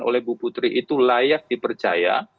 oleh bu putri itu layak dipercaya